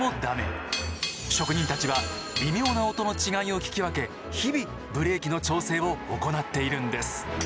職人たちは微妙な音の違いを聞きわけ日々ブレーキの調整を行っているんです。